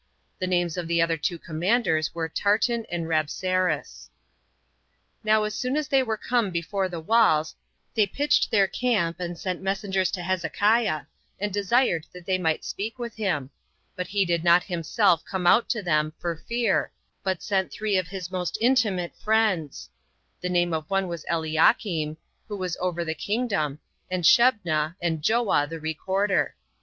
The names of the two other commanders were Tartan and Rabsaris. 2. Now as soon as they were come before the walls, they pitched their camp, and sent messengers to Hezekiah, and desired that they might speak with him; but he did not himself come out to them for fear, but he sent three of his most intimate friends; the name of one was Eliakim, who was over the kingdom, and Shebna, and Joah the recorder.